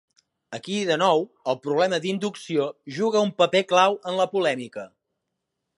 Aquí de nou el problema d'inducció juga un paper clau en la polèmica.